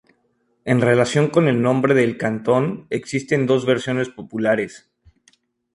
En relación con el nombre del cantón existen dos versiones populares.